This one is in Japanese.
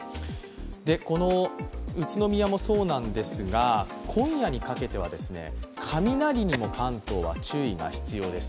この宇都宮もそうなんですが今夜にかけては雷にも関東は注意が必要です。